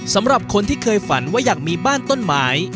สำหรับคนที่เคยฝันว่าอยากมีบ้านต้นไม้